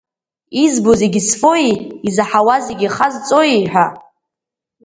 Избо зегьы зфои, изаҳауа зегьы хазҵои ҳәа…